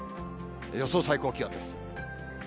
予想最高気温です。